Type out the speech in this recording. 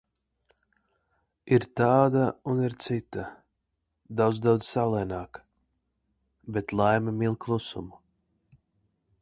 Ir tāda un ir cita – daudz, daudz saulaināka. Bet laime mīl klusumu.